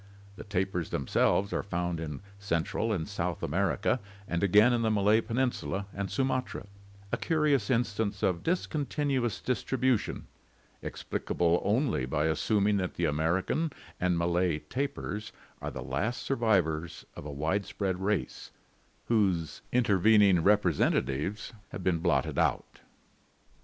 The tapirs themselves are found in Cen tral and South America and again in the Malay Peninsula and Sumatra, a curious instance of discontinuous distribution, explicable only by assuming that the American and Malay tapirs are the last survivors of a widespread race, whose intervening representatives have been blotted out.